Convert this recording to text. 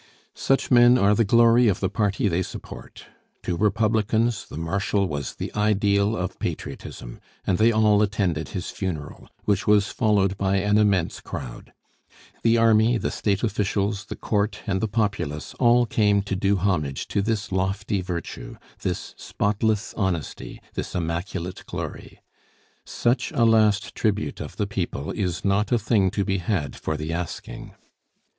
Such men are the glory of the party they support. To Republicans, the Marshal was the ideal of patriotism; and they all attended his funeral, which was followed by an immense crowd. The army, the State officials, the Court, and the populace all came to do homage to this lofty virtue, this spotless honesty, this immaculate glory. Such a last tribute of the people is not a thing to be had for the asking.